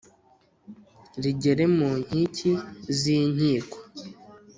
Rigere mu nkiki z'inkiko